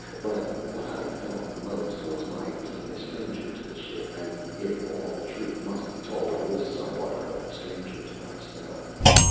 But what I felt most was my being a stranger to the ship; and if all the truth must be told, I was somewhat of a stranger to myself.